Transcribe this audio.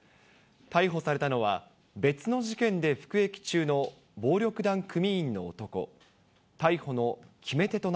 逮捕されたのは、別の事件で服役中の暴力団組員の男。